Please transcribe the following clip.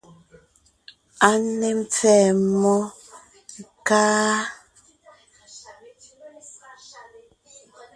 A ne mpfɛ́ɛ mmó, káá?